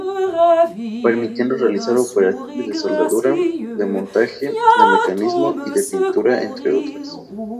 Permitiendo realizar operaciones de soldadura, de montaje, de mecanizado, y de pintura entre otras.